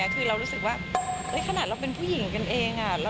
คือเรารู้สึกว่าขนาดเราเป็นผู้หญิงกันเอง